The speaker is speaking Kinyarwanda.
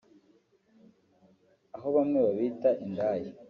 aho bamwe babita indaya